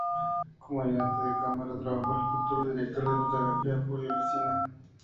Como ayudante de cámara trabajó el futuro director de fotografía Julio Lencina.